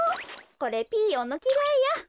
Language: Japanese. これピーヨンのきがえや。